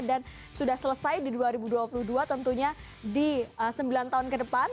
dan sudah selesai di dua ribu dua puluh dua tentunya di sembilan tahun ke depan